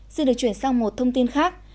xin được chuyển sang một thông tin khác